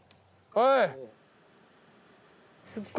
はい。